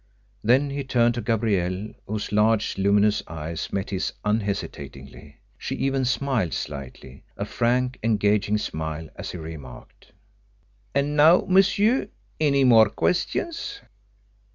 Then he turned to Gabrielle, whose large luminous eyes met his unhesitatingly. She even smiled slightly a frank engaging smile, as she remarked: "And now, monsieur, any more questions?"